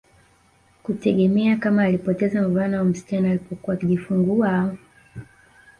Kutegemea kama alipoteza mvulana au msichana alipokuwa akijifungua